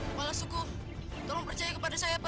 kepala suku tolong percaya kepada saya pak